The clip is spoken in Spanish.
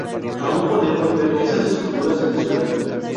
Aun podemos ver esas esculturas en la ciudad.